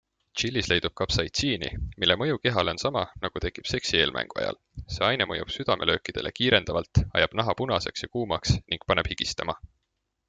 Tšillis leidub kapsaitsiini, mille mõju kehale on sama, nagu tekib seksi eelmängu ajal - see aine mõjub südamelöökidele kiirendavalt, ajab naha punaseks ja kuumaks ning paneb higistama.